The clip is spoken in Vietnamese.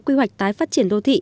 quy hoạch tái phát triển đô thị